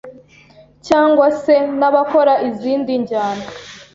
cyangwa se n’abakora izindi njyana